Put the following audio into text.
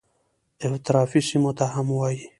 اطرافي سیمو ته هم وایي.